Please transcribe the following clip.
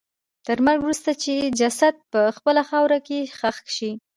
تر مرګ وروسته یې جسد په خپله خاوره کې ښخ شي.